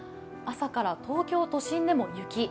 朝から東京都心でも雪。